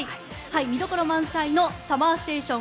見どころ満載のＳＵＭＭＥＲＳＴＡＴＩＯＮ